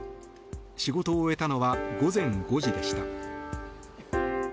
仕事を終えたのは午前５時でした。